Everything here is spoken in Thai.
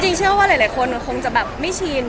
เชื่อว่าหลายคนคงจะแบบไม่ชิน